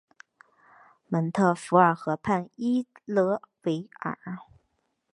蒙特福尔河畔伊勒维尔。